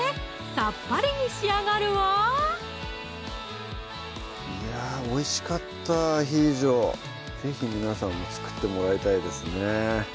さっぱりに仕上がるわいやぁおいしかった「アヒージョ」是非皆さんも作ってもらいたいですね